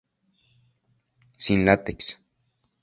Sin látex.